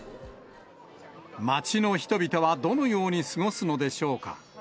街の人々はどのように過ごすのでしょうか。